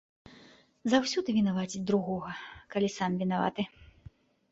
Заўсёды вінаваціць другога, калі сам вінаваты.